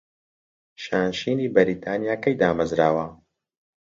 شانشینی بەریتانیا کەی دامەرزاوە؟